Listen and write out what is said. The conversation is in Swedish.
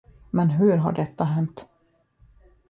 Men hur har detta hänt?